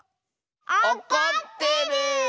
おこってる！